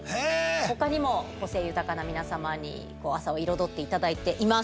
他にも個性豊かな皆さまに朝を彩っていただいています。